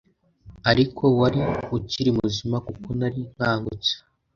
ariko wari ukiri muzima kuko nari nkangutse